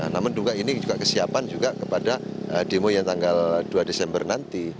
namun ini juga kesiapan juga kepada demo yang tanggal dua desember nanti